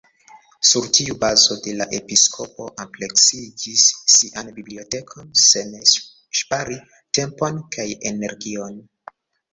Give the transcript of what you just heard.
Sur tiu bazo la episkopo ampleksigis sian bibliotekon sen ŝpari tempon kaj energion.